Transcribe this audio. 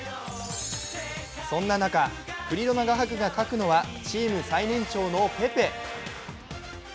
そんな中、クリロナ画伯が描くのはチーム最年長のペペ。